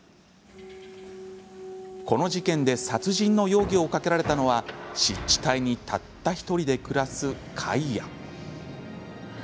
この事件で殺人の容疑をかけられたのは湿地帯にたった１人で暮らすカイア。